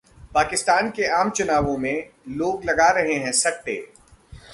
पाकिस्तान के आम चुनावों में लोग लगा रहे हैं सट्टे